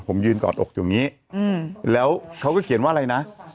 ผมยืนกอดอกอยู่อย่างนี้แล้วเขาก็เขียนว่าอะไรนะ